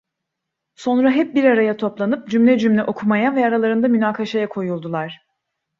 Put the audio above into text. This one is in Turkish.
Sonra hep bir araya toplanıp cümle cümle okumaya ve aralarında münakaşaya koyuldular.